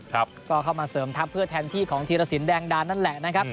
ก็เข้ามาเสริมทัพเพื่อแทนที่ของธีรสินแดงดานั่นแหละนะครับ